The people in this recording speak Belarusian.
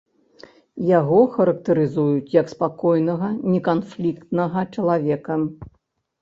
Яго характарызуюць як спакойнага, неканфліктнага чалавека.